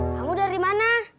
kamu dari mana